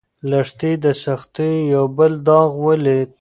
لښتې د سختیو یو بل داغ ولید.